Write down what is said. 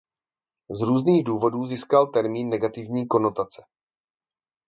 Z různých důvodů získal termín negativní konotace.